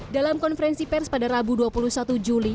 dalam konferensi pers pada rabu dua puluh satu juli